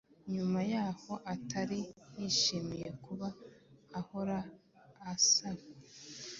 nyuma y’aho atari yishimiye kuba ahora asakwa